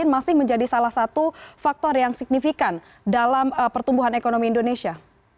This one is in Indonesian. masih menjadi salah satu faktor yang signifikan dalam pertumbuhan ekonomi indonesia